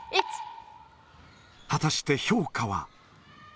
果たして、評価は。